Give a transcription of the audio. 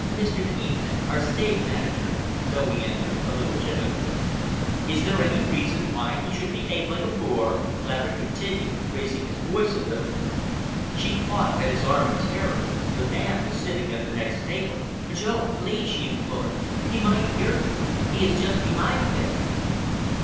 "Mr. Heepman, our stage manager," Zoe answered, a little timidly. "Is there any particular reason why he should behave like a boor?" Laverick continued, raising his voice a little. She caught at his arm in terror. The man was sitting at the next table. "Don't, please!" she implored. "He might hear you. He is just behind there."